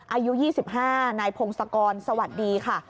อายุ๒๕นายพงศกรสวัสดีค่ะ